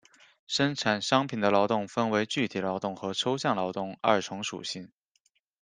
生产商品的劳动分为具体劳动和抽象劳动二重属性。